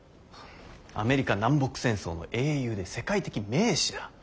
アメリカ南北戦争の英雄で世界的名士だ。